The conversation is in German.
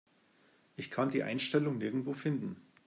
Ich kann die Einstellung nirgendwo finden.